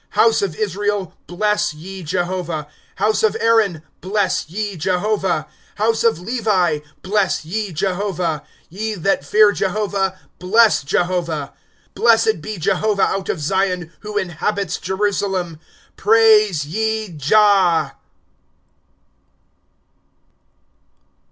^' House of Israel, bless ye Jehovah ; House of Aaron, bless ye Jehovah ;^^ House of Levi, bless ye Jehovah ; Te that fear Jehovah, bless Jehovah. ^^ Blessed be Jehovah out of Zion, Who inhabits Jerusalem. Praise ye Jah.